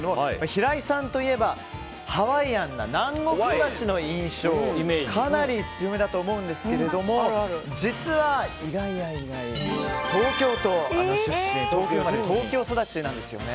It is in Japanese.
平井さんといえばハワイアンな南国育ちの印象がかなり強いなと思うんですが実は、意外や意外東京都出身東京生まれ東京育ちなんですね。